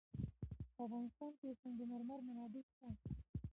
په افغانستان کې د سنگ مرمر منابع شته.